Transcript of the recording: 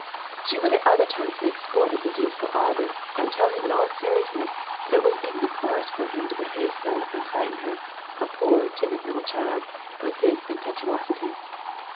She would at other times make sport of his youthful ardor, and tell him in all seriousness that it was indecorous for him to behave so and frighten her, a poor, timid little child, with his impetuosities.